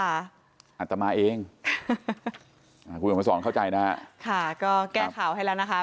อาตมาเองอ่าคุณออกมาสอนเข้าใจนะฮะค่ะก็แก้ข่าวให้แล้วนะคะ